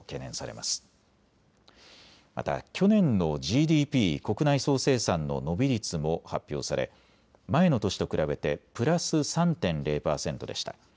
また去年のＧＤＰ・国内総生産の伸び率も発表され前の年と比べてプラス３．０％でした。